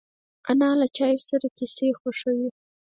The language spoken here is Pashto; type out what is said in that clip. انا له چای سره کیسې خوښوي